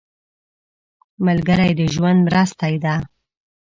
ملګری د ژوند مرستې دی